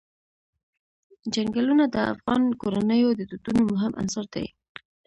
چنګلونه د افغان کورنیو د دودونو مهم عنصر دی.